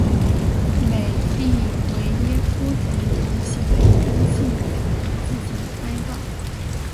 美的维耶夫总统写了一封信表达自己的哀悼。